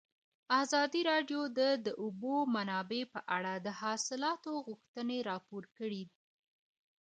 ازادي راډیو د د اوبو منابع په اړه د اصلاحاتو غوښتنې راپور کړې.